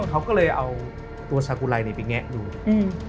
เขาก็เลยเอาตัวศักดิ์ไรนี่เพื่อแงะมี